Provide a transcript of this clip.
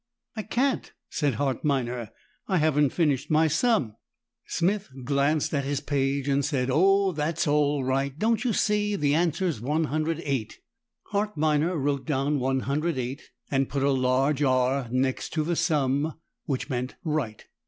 "I can't," said Hart Minor, "I haven't finished my sum." Smith glanced at his page and said: "Oh that's all right, don't you see? The answer's 108." Hart Minor wrote down 108 and put a large R next to the sum, which meant Right.